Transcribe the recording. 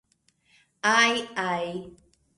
Aj, aj!